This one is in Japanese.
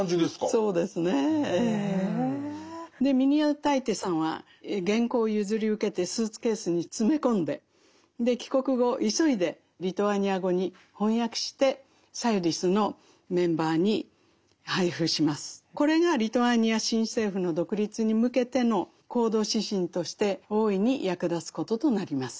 でミニオタイテさんは原稿を譲り受けてスーツケースに詰め込んで帰国後これがリトアニア新政府の独立に向けての行動指針として大いに役立つこととなります。